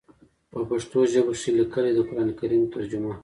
پۀ پښتو ژبه کښې ليکلی د قران کريم ترجمه